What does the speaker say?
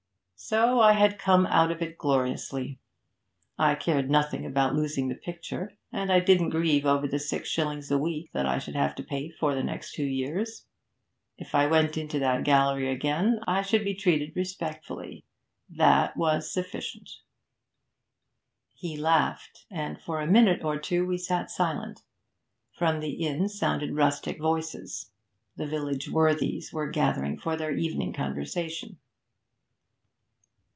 'So I had come out of it gloriously. I cared nothing about losing the picture, and I didn't grieve over the six shillings a week that I should have to pay for the next two years. If I went into that gallery again, I should be treated respectfully that was sufficient.' He laughed, and for a minute or two we sat silent. From the inn sounded rustic voices; the village worthies were gathered for their evening conversation.